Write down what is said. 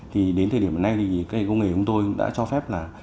thì đến thời điểm này thì công nghệ của chúng tôi đã cho phép là